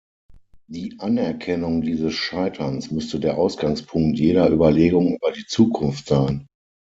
Die Anerkennung dieses Scheiterns müsste der Ausgangspunkt jeder Überlegung über die Zukunft sein.